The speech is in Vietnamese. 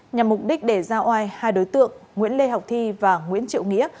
nhằm mục đích để ra oai hai đối tượng nguyễn lê học thi và nguyễn triệu nghĩa